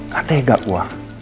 katanya gak gua